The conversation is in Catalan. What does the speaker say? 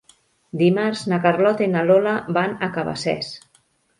Dimarts na Carlota i na Lola van a Cabacés.